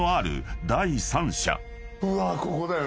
うわっここだよ。